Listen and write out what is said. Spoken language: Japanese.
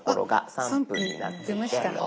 ３分になってました。